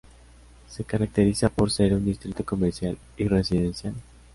Se caracteriza por ser un distrito comercial y residencial.